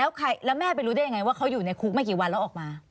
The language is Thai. แล้วแม่ไปรู้ได้ยังไงว่าเขาอยู่ในคุกไม่กี่วันแล้วออกมา